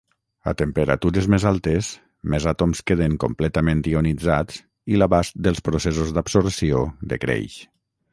A temperatures més altes, més àtoms queden completament ionitzats i l'abast dels processos d'absorció decreix.